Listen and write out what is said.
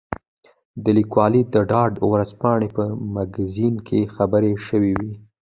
دا لیکنې د ډان ورځپاڼې په مګزین کې خپرې شوې وې.